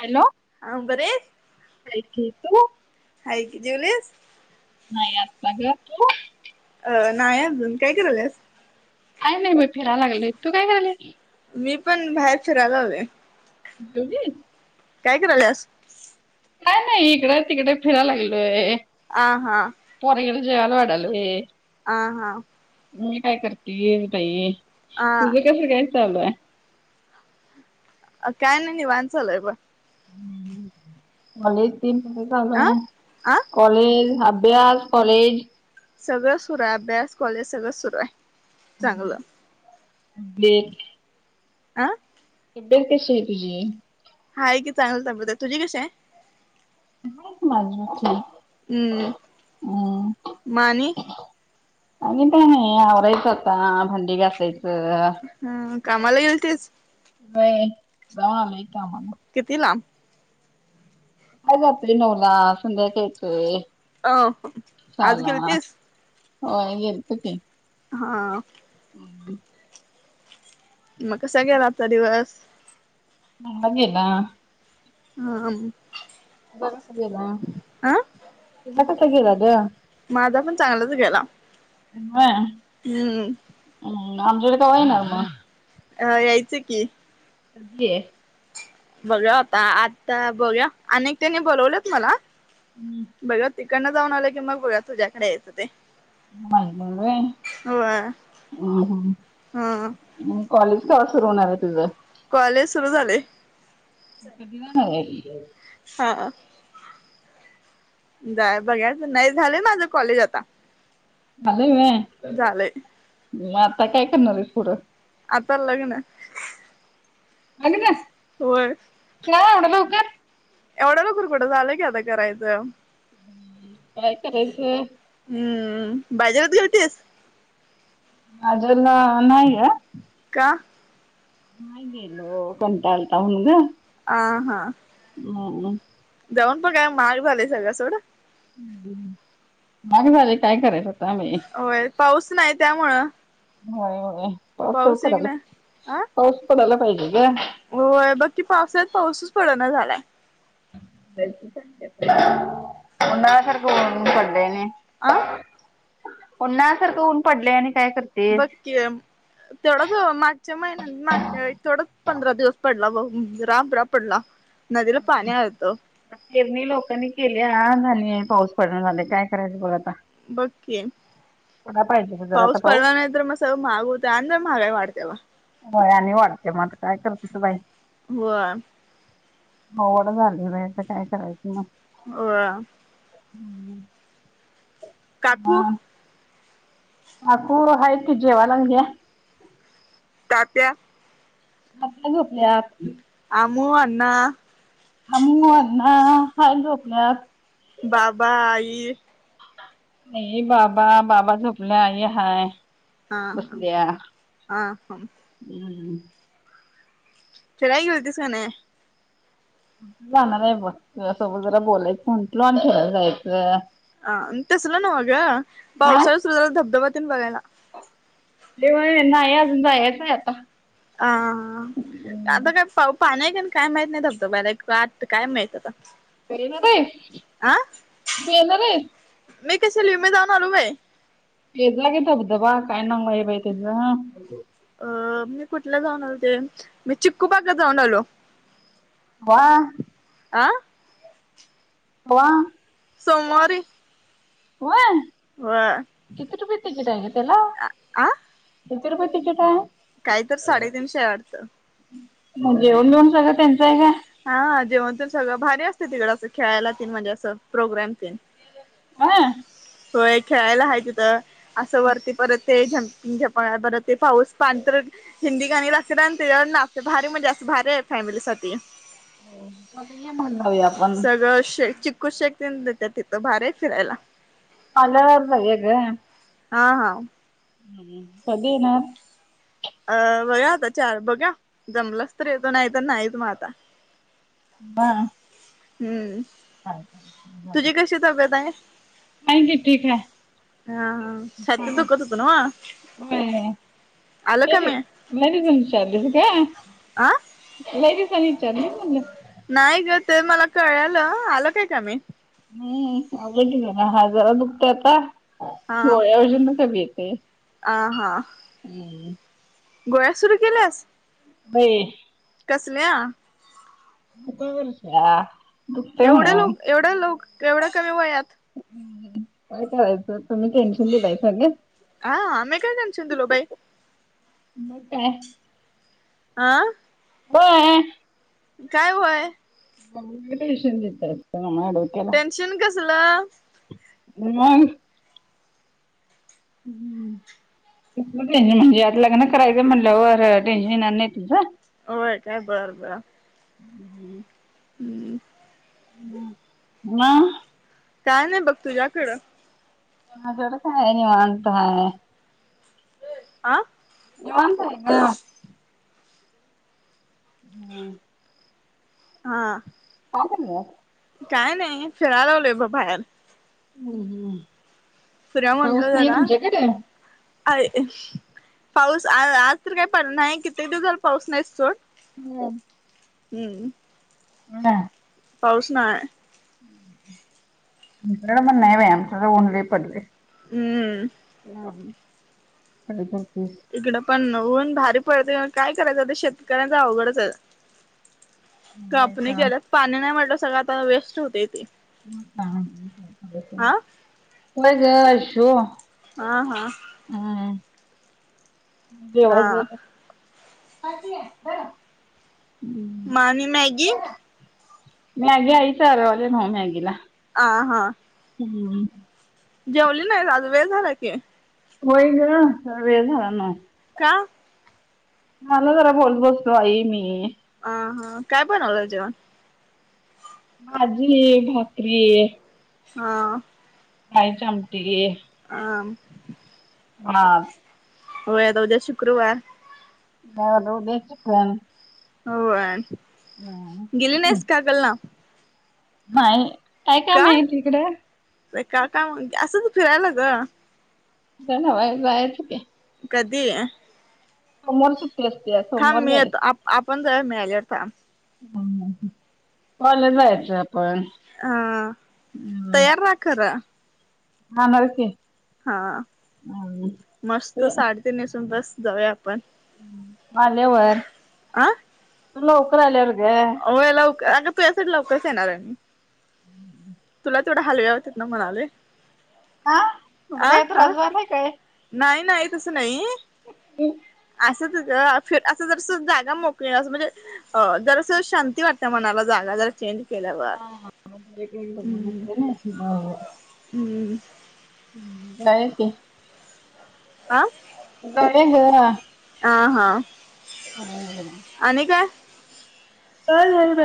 Hello हां, बरेश? काय की तू हाये कि जवलस? नाही आत्ता गं. तू? अ नाही अजून. काय करालयेस? का नाही बाई. फिराय लागली. तू काय करलयली? मी पण बाहेर फिरायला आले. जेवलीस? काय करालयास? काय नाही इकड तिकड फिराय लागलोय. आ हां. पोरं गेले जेवायला हॉटेल मधे. आ हां. मी काय करते दही ये. आ तुझं कस काय चालूय? अ काय नाही निवांत चालय ब हं. आले ते म जागं आ हाय. आ कॉलेज अभ्यास कॉलेज, सगळं सुरू आहे. अभ्यास कॉलेज सगळं सुरू आहे, चांगलं. [unintelligible] आं? बेत कशिये तुजी? हाये की चांगली तब्येत हाय. तुझी कशी आहे? हाय की माझीही ठीक आहे. हं. माणे अजूनपण हाय, आवरायचं आता भांडी घासाायचं. हं कामाला गेल तेच होय [unintelligible] कामाला. किती लांब? हाऊ आपली नऊला संध्याकाळचे. ओ, आज गेलतीस? हां गेलतो की. हा. हम्. मग कसा गेला आजचा दिवस? [unintelligible] गेला. हा हम्म. मस्त गेला. अ तुझा कसा गेला गं? माझापण चांगलाच गेला. बर. हं. हम्म, आमच्याकडे कवा येणार मग? हा यायचं की. के बघूया आता, आता बघूया आणि एकट्यांनी बोलावल्यात मला. हम्म. बघूया तिकडनं जाऊन आलं की, मग बघूया तुझ्याकडे यायचं ते. नाही नाही होय, होय हं हं. हा म कॉलेज कवा सुरू होणार आहे तुझं? कॉलेज सुरू झालंय. [unintelligible] हा. जाय बघायच, नाही झालंय माझं कॉलेज आता. झालंय होय, झालंय मग आता काय करणार आहेस पुढं? आता लग्न लग्न होय. का एवढ्या लवकर? एवढं लवकर कुठं,, झालं की आता करायचं. काय करायचं हम्म, बाजारत गेलतीस? अजून नाही गं. का? नाहि गेलो, कंटाळ आलता म्हणून गं, आहा. [unintelligible] जाऊन पण काय, महाग झालंय सगळं सोडं. आणि व्हालय काय करायच आता आम्ही? होय, पाऊस नाही त्यामुळं. होय, होय पाऊस पड एक पडायला, नाही आ पाऊस पडायला पाहिजे ग. होय, बघकी पावसाळ्यात पाऊसच पडना झालाय. तेच उन्हाळ्या सारखं ऊन पडलय आणि आं उन्हाळ्यासारखं ऊन पडलय आणि काय करती बघकी गं, तेवढाच मागच्या महिन्यात मागच्या वेळी तेवढाच पंधरा दिवस पडला बघ, राबराब पडला, नदीला पाणी आलतं. पेरणी लोकांनी केल्या, आणि पाऊस पडणा झालय, काय करायचं बघ आता? बघकी. पडायला पाहिजे ग जरा आता पाऊस पडला नाही तर, मग सगळ महाग होतय, आणी जरा महागाई वाढत्या बगऽ होय, आणि वाढत्या मग आता काय करतीस बाई? होय. आवगड झालय बाई आता काय करायचं मग? होय. हम्म. काकू काकु हाय की, जेवालागलोय. तात्या? तात्या झोपल्यात. अमु, अण्णा अमु, आण्णा हाईत झोपल्यात. बाबा, आई नाही बाबा, बाबा झोपल्या, आई हाय. हा बसल्या, हा हा हम्म फिरायला गेलतीस का नाई? जाणार आहे बघ, तुझ्या सोबत जरा बोलायच म्हटलो, आणि फिरायला जायचं. आं, तसलं नव्ह ग, हा पावसाळ्यात सुरु झाला धबधब्यातेन बघायला? ते वय, नाही अजून, जा याच आहे आता. हा हा. हम्म आता काय पाणी आहे का काय माहित नाही धबधबाला, आ काय माहित आता? व्हय ग बाय आ तु येनार आहेस? मी कशाला ईऊ, मी जाऊन आलो बाय. गेलातो धबधबा, काय नांव आय बाइ तेज? आ, मी कुठला जाऊन आलते, मी चिक्कूबागात जाऊन आलो. वाऽ आं व्हा. सोमवारी व्हय व्हय कीती रुपये टिकेट आहे ग त्याला आ किती रुपय टीकिट आहे. काही तर साडेतीनशे आह वाटतं. मग जेवन बिवन सगळं त्यांचं आहे का? हा जेवण टेन सगळं भारी असतय तिकड असं खेळायला तेन म्हणजे असं प्रोग्राम तेन हा - होय खेळायला हाय तिथं असं वरती परत ते झंपिंग झपांग परत ते पाऊस पाण्यात हिंदी गाणी लागत्यात आणि तेजावर नाचत्यात भारी म्हणजे असं मज्जा भारी आहे फॅमिली साठी हा जाऊया आपण सगळं शे चिककू शेक तेन देत्यात तिथं भारी आय फिरायला. अलारता हग [unintelligible] हा हा. हम्म कधी येणार. अ बघाया आता चार बघूया जमलाच तर येतो नाही तर नाहीत. मग आता हा हा. हा तुझी कशी तब्येत आहे. आणखी ठीक आहे हा हा छातीत दुखत होत न्हव. आलं कमी नाही तम विचारलीस का आं ल दिवसानीचार निम नाही ग ते मला कळालं आलं काय का मी हम्म अ हा जरा दुखत आता हा गोळ्यावरजून ना कमी येतेय आ हा गय आसो र केले ब कसल्या का वर्षा दुखते एवढे म्हणून लोक एवढे लोक एवढ्या कमी वयात काय करायचं तुम्ही टेन्शन दिलाय सांग हा आमही काय जणच लो भाई मत आह बार काय वय मवला टेन्शन कसला ह हम्म टेनशन म्हणजे आता लग्न करायचं म्हणलंर टेन्न येणार नाही तुझं होय काय बरोबर हम्म हम्म ह हा काय नाही बघ तुझ्याकडं हजड काय आहे वाांडतो हाय आं निवांंत आहे हम्म हा आम काय नाही फिरायला लावले ब बाहेर हम्म हम्म पाऊस नाही म्हणच्याेकडे अ पाऊस आ आज तर काय पड नाही किे दिवसाला पाऊस नाहीस सोट हम् हम्म हम पाारस ना म्हणण वम नले पडवे हम्म क इकडं पण ऊन भारी पडते काय करायचं ते शेतकऱ्यांच अवघडच कापणी केल्या पाणी नाही म्हटलं सगळं आता वेस्ट होते ते हा हय ग हा हा हम् जेव्हा ज हा ह् म आणि मॅगी मॅगी आयच अरवाले ना मॅगी ला आ हा हम्म जेवली नाही आज वेळ झाला की होई ग वे सू का झाला जरा बोल बसतो आई मी अ हा काय बणवलं जेव्हा भाजी भाकरी हा काहीच आमट ये आ हा होळऊद्या शुक्रवार ल बित हो गेली नस कागल ना मा काय का माहिती इकड का काय म्हणजे असंच फिरायला ग जणवाय जायचं का कधी मर सु असत थांब मिळतो आप आपण ज मिळाल्यावर थांब पाला जायचं आपण हा तयार ना खरा हा नरख हा मस्त ते साडेतीनसून बस जाऊया आप आल्यावर आ तु लवकर आल्यावर ग हो लवकर अग तुझ्यासाठी लवकरच येणार आहे तुला तेथवढा हलव्या होतात ना म्हणाले हा तुला आ काय हा त्रास झालाय काय नाही नाही तसं नाही असंच ग असं जर जागा मोकळी अस म्हणजे अ जरासं शांती वाटते मनाला जाग जरा चेंज केल्यावर हा हम्म नमस्तने ब हम्म काय की आ ब घर आ हा आणि काय ह ह ब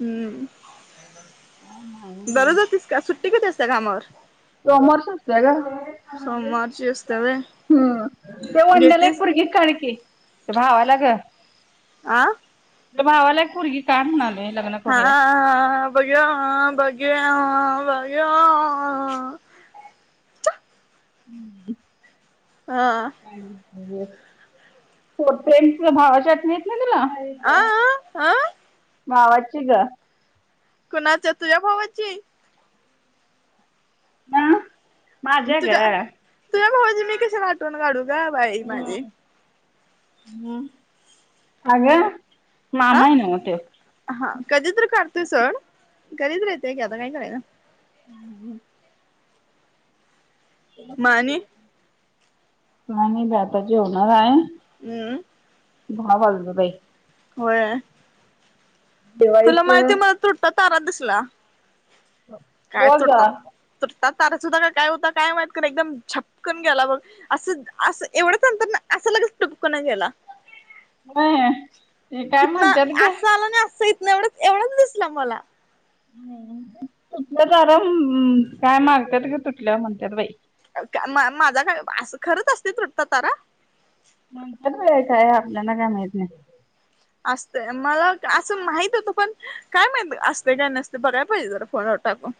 हम्म का ना बरं जातेस का सुट्टी कती असते कामावर कॉमर्स असते का सोमवारची असते व्हय हम्म ते वंड्याला एक घेतीस पोरगी काण की भावाला ग आ तर भावाला एक पोरगी काढ म्हणार हा ब बघ बज हम्म हा प्रेम तु भावा चटणी येत ना तुला आ आ हा भावाची ग कोणाच्या तुझ्या भावाची हा माझ्या ग तुझ्या हम्म. तुझ्या भावाची मी कशाला आठवन काढू का बाई माझे ह अग आ मामा ये नव्ह तो हा कधी तर काढतोय सोड, कधी तर येतय की आता काही करायच हम् म काही आणि नाही बाई आता जेवणार हाय हम्म दहा वाजलं बाई होय तुला जेवायचं माहिती मला तुटता तारा दिसला. काय हो तुटतात गं तुटतात तारा होता का काय होता काय माहित का एकदम झपकन गेला बघ. असं असं एवढंच नंतर असं लगेच टुपकणा गेला. होय ते काय इथन म्हणतात ग असं आलं नाही असं इथन एवढच एवढाच दिसलं मला. तुटल्या तारा मम काय मागत्यात तुटल्यावर म्हणतात बाई माझा अस खरच असते तुटत तारा म्हणत्यात बाई काय आपल्याला काय माहित नाही असत मला असं माहित होतं पण काय माहित असते काय नसते बघा [unintelligible] फोन वर टाकून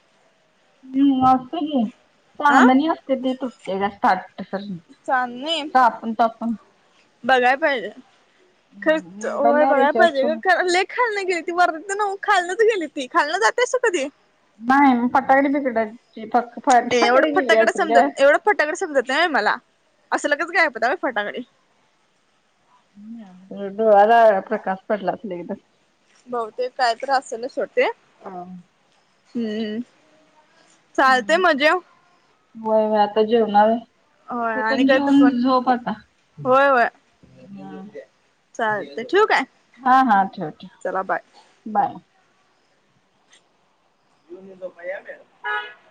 हम् असते ग अ चांदनी असते ते तृप्ट स्टार्ट सर चांदणी [unintelligible] बघाय पाहिजे खर मोबाईलला बघायला रिचार्ज पाहिजे करून ले खालण गेली ती वर ना खालच गेली ती खालणं जातेय अस कधी नाही म फटाकडी बिकडाची फ एवढं फटाकडी गेली फटाकडे असेल ग समजत एवढं फटाकडे समजत नाही व्हय मला, असं लगेच गायब होतात होय फटाकडे डोळ्याला प्रकाश पडला असेल एकदम बहुतेक काय तर असेलच सोड ते एकदम हम्म चालतेय हम्म म जेव होय आता जेवणार आहे होय तु आणि पण काय तर फोन जेवुणं झोप आता चालते ठेवु काय हा हा ठेव ठेव चला बाय बाय [unintelligible]